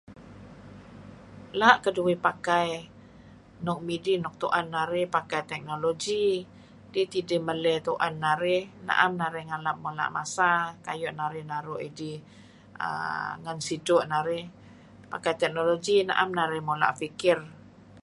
Doo' keduih pakai nuk minih nuk tu'en narih pakai technology , dih tidih meley tu'en narih na'am narih ngalap mula' masa kayu' narih naru' dih err ngen sidtu' narih, pakai technology na'em narih am narih mula' pikir.